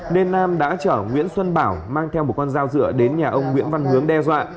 nên nam đã chở nguyễn xuân bảo mang theo một con dao dựa đến nhà ông nguyễn văn hướng đe dọa